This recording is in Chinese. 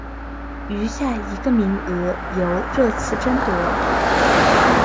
余下一个名额由热刺争夺。